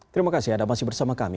terima kasih anda masih bersama kami